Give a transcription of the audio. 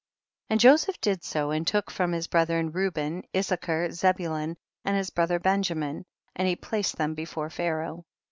20. And Joseph did so and took from his brethren Reuben, Issachar Zebulun and his brother Benjamin, and he placed them before Pharaoh.